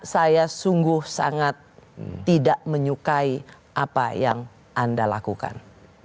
saya sungguh sangat tidak menyukai apa yang anda lakukan